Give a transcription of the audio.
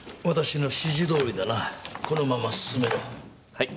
はい。